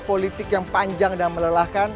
politik yang panjang dan melelahkan